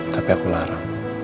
tapi aku larang